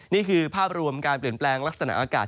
นี่คือภาพรวมการเปลี่ยนแปลงลักษณะอากาศ